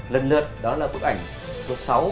lần lượt đó là bức ảnh số sáu